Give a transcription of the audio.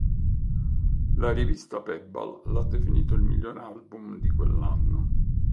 La rivista Pebbal l'ha definito il miglior album di quell'anno.